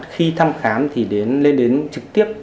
khi thăm khám thì lên đến trực tiếp